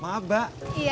mah ba engkwang nanya